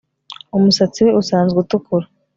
Umusatsi we usanzwe utukura